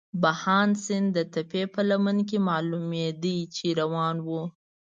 بهاند سیند د تپې په لمن کې معلومېده، چې روان وو.